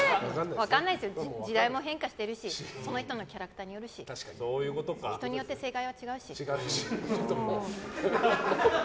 時代も変化してるしその人のキャラクターによるし人によって正解は違うし。